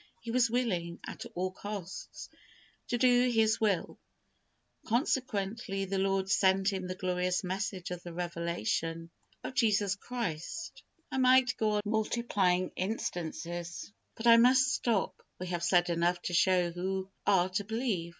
He was willing, at all costs, to do His will: consequently, the Lord sent him the glorious message of the revelation of Jesus Christ. I might go on multiplying instances, but I must stop. We have said enough to show who are to believe.